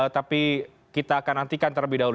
tapi kita akan nantikan terlebih dahulu